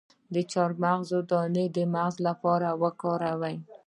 د چارمغز دانه د مغز لپاره وکاروئ